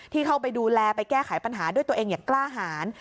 เข้าไปดูแลไปแก้ไขปัญหาด้วยตัวเองอย่างกล้าหาร